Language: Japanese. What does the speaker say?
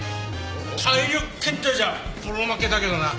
体力検定じゃぼろ負けだけどな